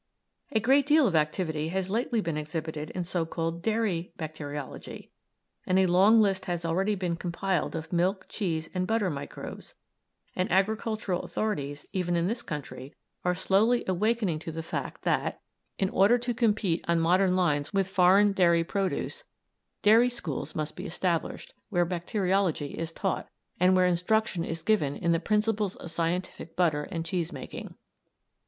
A great deal of activity has lately been exhibited in so called dairy bacteriology, and a long list has already been compiled of milk, cheese, and butter microbes; and agricultural authorities, even in this country, are slowly awakening to the fact that, in order to compete on modern lines with foreign dairy produce, dairy schools must be established, where bacteriology is taught, and where instruction is given in the principles of scientific butter and cheese making.